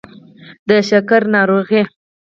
د شکر ناروغي